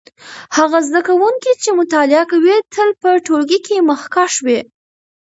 هغه زده کوونکی چې مطالعه کوي تل په ټولګي کې مخکښ وي.